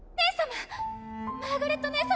姉様！